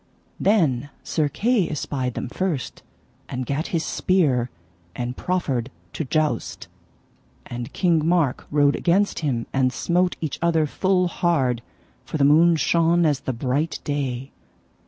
Then Sir Kay espied them first, and gat his spear, and proffered to joust. And King Mark rode against him, and smote each other full hard, for the moon shone as the bright day.